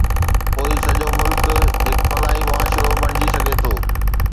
پوءِ سڄو ملڪ هڪ فلاحي معاشرو بڻجي سگهي ٿو.